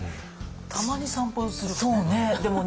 たまに散歩するわね。